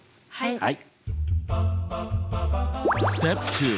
はい。